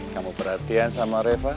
kamu perhatian sama reva